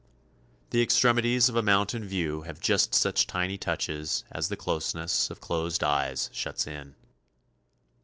The extremities of a mountain view have just such tiny touches as the closeness of closed eyes shuts in.